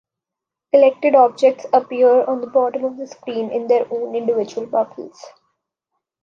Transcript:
Collected objects appear on the bottom of the screen in their own individual bubbles.